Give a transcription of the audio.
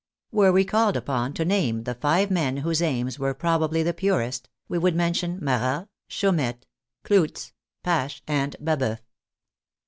Were we called upon to name the five men whose aims were probably the purest, we would mention Marat, Chaumette, Clootz, Pache, and Baboeuf.